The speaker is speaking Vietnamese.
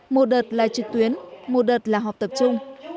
một đợt là trực tuyến một đợt là họp tập trung